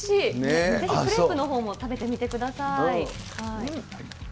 ぜひクレープのほうも食べてみてください。